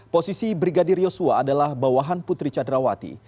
posisi brigadir yosua adalah bawahan putri candrawati